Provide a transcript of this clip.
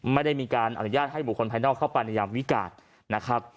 ไม่ได้มีการอนุญาตให้บวกคนภายนอกเข้าไปในอย่างวิการ